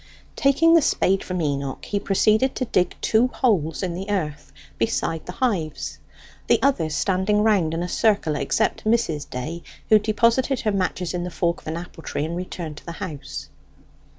Taking the spade from Enoch, he proceeded to dig two holes in the earth beside the hives, the others standing round in a circle, except Mrs. Day, who deposited her matches in the fork of an apple tree and returned to the house.